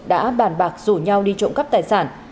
đã bàn bạc rủ nhau đi trộm cắp tài sản